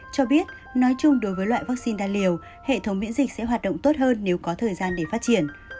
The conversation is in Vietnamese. cho biết nói chung đối với loại vaccine đa liều hệ thống miễn dịch sẽ hoạt động tốt hơn nếu có thời gian để phát triển